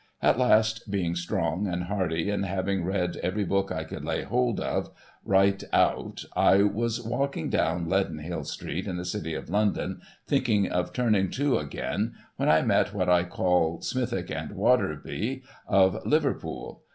At last, being strong and hearty, and having read every book I could lay hold of, right out, I was walking down Leadenhall Street in the City of London, thinking of turning to again, when I met what I call Smithick and A\'atersby of Liver pool.